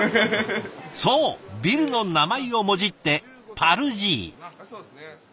そうビルの名前をもじって「パル爺」。